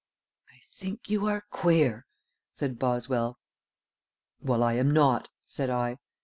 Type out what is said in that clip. "I think you are queer," said Boswell. "Well, I am not," said I.